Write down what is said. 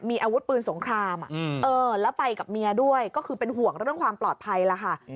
มีอาวุธปืนสงครามแล้วไปกับเมียด้วยก็คือเป็นห่วงเรื่องความปลอดภัยแล้วค่ะ